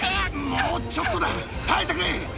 もうちょっとだ、耐えてくれ。